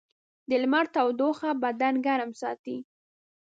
د لمر تودوخه بدن ګرم ساتي.